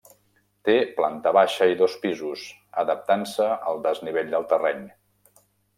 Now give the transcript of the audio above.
Té planta baixa i dos pisos, adaptant-se al desnivell del terreny.